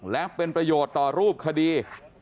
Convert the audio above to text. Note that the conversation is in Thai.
และเป็นประโยชน์ต่อรูปคดี